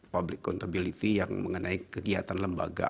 public contability yang mengenai kegiatan lembaga